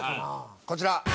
こちら。